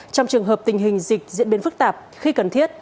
trong trường hợp tình hình dịch diễn biến phức tạp khi cần thiết